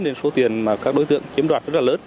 nên số tiền mà các đối tượng chiếm đoạt rất là lớn